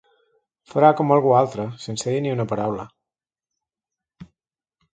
Farà com algú altre, sense dir ni una paraula.